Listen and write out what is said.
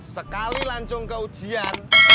sekali lancung ke ujian